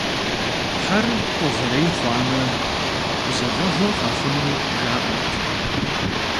Хьэр къугърей хъуамэ, гузэвэгъуэ къэхъуну, жаӀэрт.